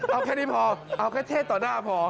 เอาแค่นี้พอเอาแค่เทศต่อหน้าพอ